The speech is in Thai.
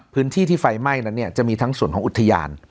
ที่ไฟไหม้นั้นเนี่ยจะมีทั้งส่วนของอุทยาน